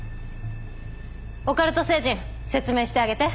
オカルト星人説明してあげて。